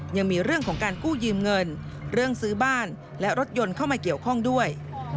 ยังมีเรื่องของการกู้ยืมเงินเรื่องซื้อบ้านและรถยนต์เข้ามาเกี่ยวข้องด้วย